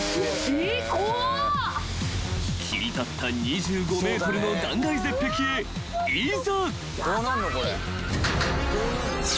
［切り立った２５ｍの断崖絶壁へいざ］